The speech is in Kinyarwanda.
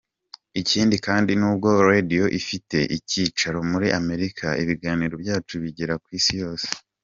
Ikindi kandi nubwo radio ifite icyicaro muri Amerika, ibiganiro byacu bigera ku isi yose.